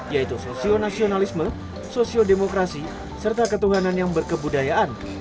yaitu sosio nasionalisme sosio demokrasi serta ketuhanan yang berkebudayaan